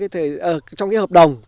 trong cái hợp đồng